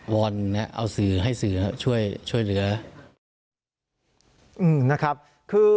วอลเอาสื่อให้สื่อช่วยเหลือ